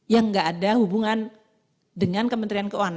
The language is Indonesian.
yang nggak ada hubungan dengan kementerian keuangan